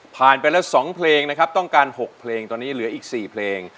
ไปแล้ว๒เพลงนะครับต้องการ๖เพลงตอนนี้เหลืออีก๔เพลง